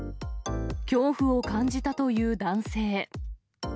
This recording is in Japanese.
恐怖を感じたという男性。